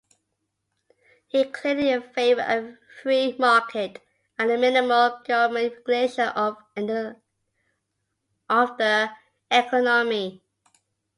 He clearly favored a free market and minimal government regulation of the economy.